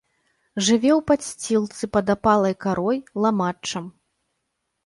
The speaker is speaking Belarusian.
Жыве ў падсцілцы, пад апалай карой, ламаччам.